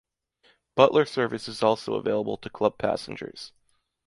Butler service is also available to club passengers.